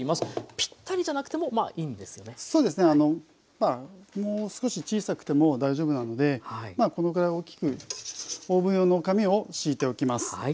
まあもう少し小さくても大丈夫なのでこのぐらい大きくオーブン用の紙を敷いておきます。